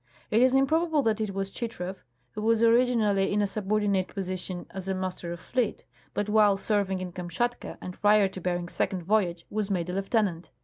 It is improbable that it was Chitrow, who was originally in a subordinate position as a master of fleet, but while serving in Kamshatka and prior to Bering's second voyage was made a lieutenant.